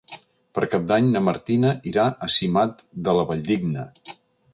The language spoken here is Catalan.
Per Cap d'Any na Martina irà a Simat de la Valldigna.